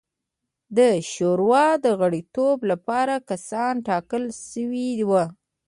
د شورا د غړیتوب لپاره کسان ټاکل شوي وو.